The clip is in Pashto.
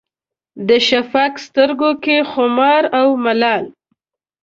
د شفق سترګو کې خمار او ملال